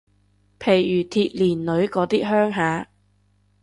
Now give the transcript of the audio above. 譬如鐵鍊女嗰啲鄉下